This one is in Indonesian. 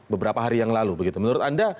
beberapa hari yang lalu begitu menurut anda